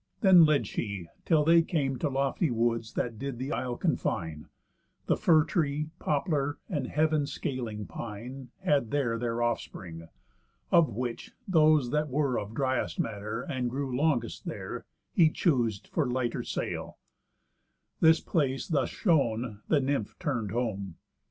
Then led she, till they came To lofty woods that did the isle confine. The fir tree, poplar, and heav'n scaling pine, Had there their offspring. Of which, those that were Of driest matter, and grew longest there, He choos'd for lighter sail. This place thus shown, The Nymph turn'd home.